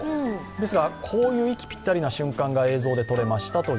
ですが、こういう息ぴったりの瞬間が映像で撮れました。